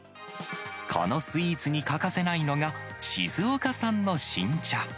このスイーツに欠かせないのが、静岡産の新茶。